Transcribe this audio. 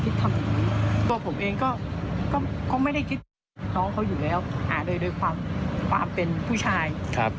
ตัวผมเองก็ไม่ได้คิดว่าน้องเขาอยู่แล้วโดยความเป็นผู้ชาย